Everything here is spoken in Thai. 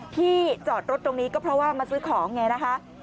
ที่จอดรถตรงนี้ก็เพราะว่ามาซื้อของไงนะคะ